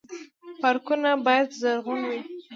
پارکونه باید زرغون وي